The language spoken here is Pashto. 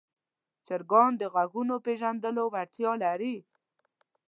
چرګان د غږونو پېژندلو وړتیا لري.